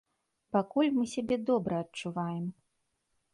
Пакуль мы сябе добра адчуваем.